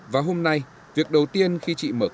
và hôm nay việc đầu tiên khi chị mở cửa